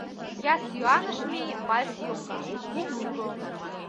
Я сӱаныш мий Вальс йоҥга — у муро.